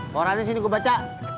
korannya sini gue baca